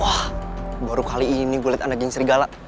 wah baru kali ini gue liat anak yang serigala